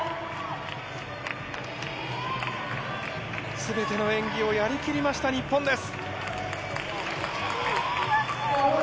すべての演技をやりきりました、日本です。